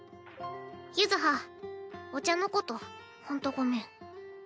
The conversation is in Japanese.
柚葉お茶のことほんとごめん。